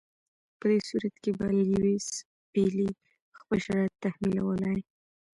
په دې صورت کې به لیویس پیلي خپل شرایط تحمیلولای.